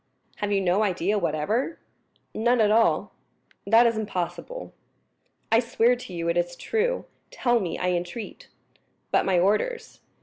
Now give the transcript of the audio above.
"Have you no idea whatever?" "None at all." "That is impossible." "I swear to you it is true. Tell me, I entreat." "But my orders."